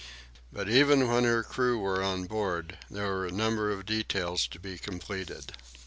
But even when her crew were on board there were a number of details to be completed.